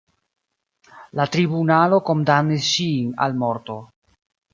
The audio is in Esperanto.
La tribunalo kondamnis ŝin al morto.